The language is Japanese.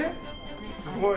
すごい。